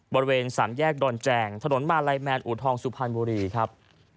บริเวณสามแยกดอนแจงถนนมาลัยแมนอูทองสุพรรณบุรีครับ